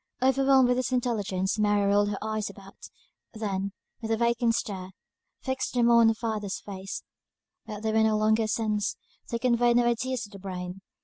Overwhelmed by this intelligence, Mary rolled her eyes about, then, with a vacant stare, fixed them on her father's face; but they were no longer a sense; they conveyed no ideas to the brain.